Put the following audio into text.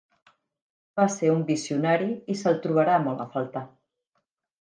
Va ser un visionari i se"l trobarà molt a faltar.